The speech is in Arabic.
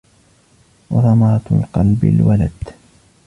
وَثَمَرَةُ الْقَلْبِ الْوَلَدُ